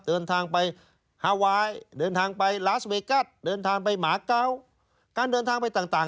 เดินทางไปฮาไวน์เดินทางไปลาสเวกัสเดินทางไปหมาเกาะการเดินทางไปต่างต่าง